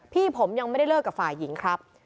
พี่ผมยังไม่ได้เลิกกับฝ่ายหญิงครับ